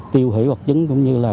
tiêu hủy vật chứng cũng như là